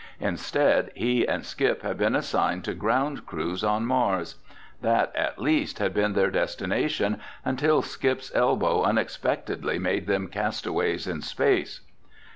Instead, he and Skip had been assigned to ground crews on Mars. That, at least, had been their destination until Skip's elbow unexpectedly made them castaways in space.